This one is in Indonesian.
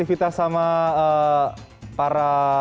apa yang kalian lakukan